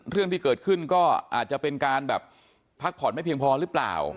เรื่องที่เกิดขึ้นก็อาจจะเป็นการแบบพักผ่อนไม่เพียงพอหรือเปล่า